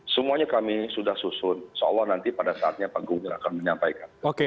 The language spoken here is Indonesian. semuanya kami sudah susun seolah nanti pada saatnya pak gunggir akan menyampaikan